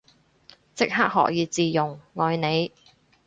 即刻學以致用，愛你